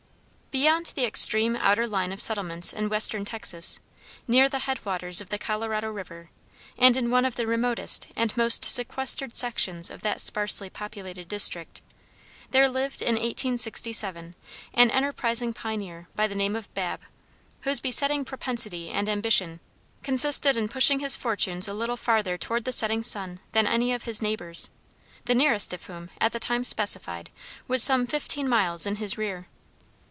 ] Beyond the extreme outer line of settlements in western Texas, near the head waters of the Colorado River, and in one of the remotest and most sequestered sections of that sparsely populated district, there lived in 1867, an enterprising pioneer by the name of Babb, whose besetting propensity and ambition consisted in pushing his fortunes a little farther toward the setting sun than any of his neighbors, the nearest of whom, at the time specified, was some fifteen miles in his rear.